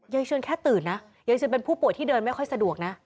ยายเชือนแค่ตื่นยายเชือนเป็นผู้ป่วยที่เดินไม่ค่อยสะดวก